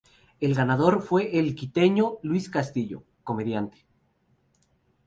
El ganador fue el quiteño Luis Castillo, comediante.